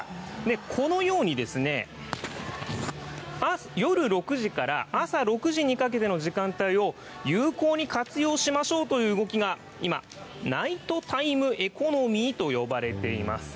このようにですね、夜６時から朝６時にかけての時間帯を有効に活用しましょうという動きが今、ナイトタイムエコノミーと呼ばれています。